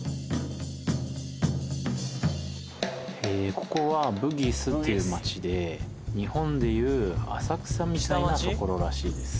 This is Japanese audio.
ここはブギスっていう街で日本でいう浅草みたいな所らしいです